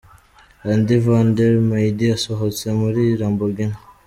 Andy van der Meyde asohotse muri Lamborghini.